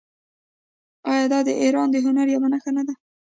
آیا دا د ایران د هنر یوه نښه نه ده؟